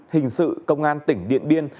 hình sự công an tỉnh điện biên